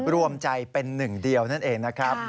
รวมใจเป็นหนึ่งเดียวนั่นเองนะครับ